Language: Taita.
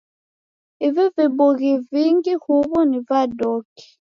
Ivi vibughi vingi huw'u ni vandoki?